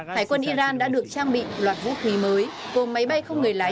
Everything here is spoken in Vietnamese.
hải quân iran đã được trang bị loạt vũ khí mới